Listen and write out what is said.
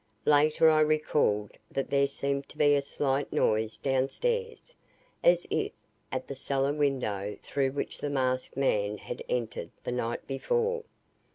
Later I recalled that there seemed to be a slight noise downstairs, as if at the cellar window through which the masked man had entered the night before.